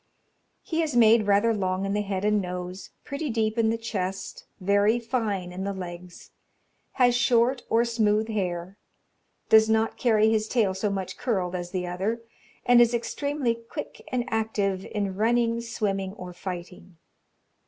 He is made rather long in the head and nose, pretty deep in the chest, very fine in the legs, has short or smooth hair, does not carry his tail so much curled as the other, and is extremely quick and active in running, swimming, or fighting.